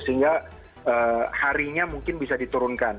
sehingga harinya mungkin bisa diturunkan